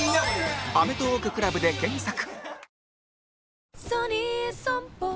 「アメトーーク ＣＬＵＢ」で検索